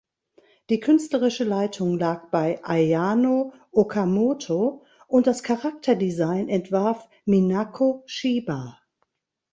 Die künstlerische Leitung lag bei Ayano Okamoto und das Charakterdesign entwarf Minako Shiba.